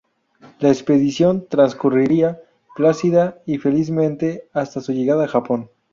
La expedición transcurría plácida y felizmente hasta su llegada a Japón.